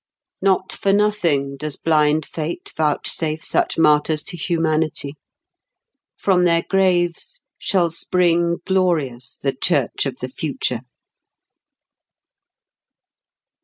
Not for nothing does blind fate vouchsafe such martyrs to humanity. From their graves shall spring glorious the church of the future.